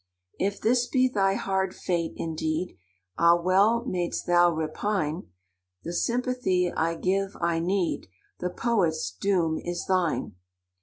"If this be thy hard fate indeed, Ah well may'st thou repine: The sympathy I give, I need— The poet's doom is thine.